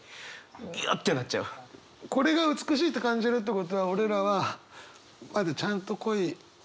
これが美しいって感じるってことは俺らはまだちゃんと恋。